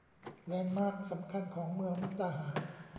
แลนด์มาร์คสำคัญของเมืองมุกดาหาร